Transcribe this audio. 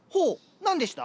何でした？